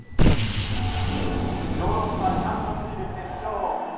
ヨーロッパチャンピオンズリーグ決勝。